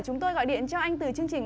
chúng tôi gọi điện cho anh từ chương trình